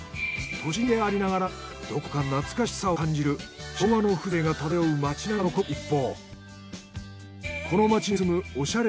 都心でありながらどこか懐かしさを感じる昭和の風情が漂う町並みが残る一方。